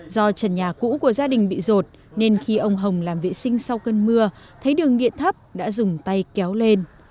do trần nhà cũ của gia đình bị rột nên khi ông hồng làm vệ sinh sau cơn mưa thấy đường điện thấp đã dùng tay kéo lên